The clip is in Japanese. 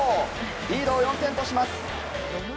リードを４点とします。